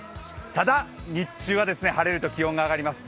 ただ、日中は晴れると気温が上がります。